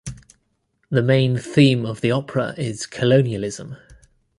The main theme of the opera is colonialism.